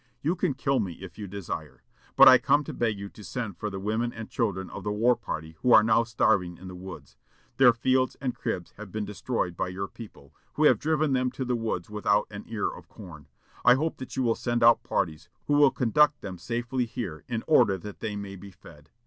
You can kill me, if you desire. But I come to beg you to send for the women and children of the war party, who are now starving in the woods. Their fields and cribs have been destroyed by your people, who have driven them to the woods without an ear of corn. I hope that you will send out parties, who will conduct them safely here, in order that they may be fed.